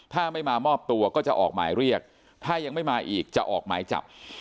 ถ้าไม่มามอบตัวก็จะออกหมายเรียกถ้ายังไม่มาอีกจะออกหมายจับ